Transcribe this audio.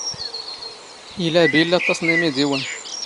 ⵉⵍⴰ ⴱⵉⵍⵍ ⴰⵟⵟⴰⵚ ⵏ ⵉⵎⵉⴷⵉⵡⴰⵏ.